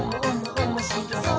おもしろそう！」